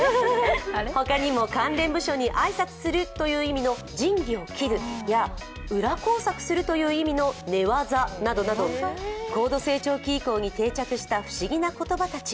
他にも関連部署に挨拶するという意味の仁義を切るや裏工作するという意味の寝技などなど、高度成長期以降に定着した不思議な言葉たち。